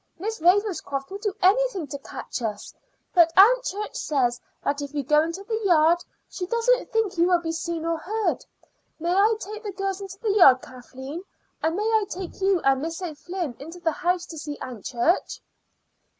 Miss Ravenscroft would do anything to catch us; but Aunt Church says that if you go into the yard she doesn't think you will be seen or heard. May I take the girls into the yard, Kathleen? And may I take you and Miss O'Flynn into the house to see Aunt Church?"